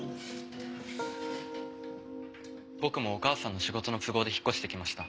僕もお母さんの仕事の都合で引っ越してきました。